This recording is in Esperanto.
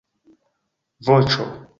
voĉo